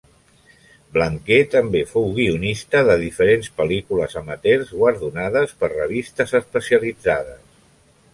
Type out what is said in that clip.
Blanquer també fou guionista de diferents pel·lícules amateurs, guardonades per revistes especialitzades.